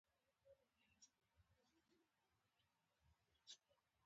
که دومره اوبه په یو فصل ورخوشې کړې